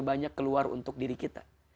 banyak keluar untuk diri kita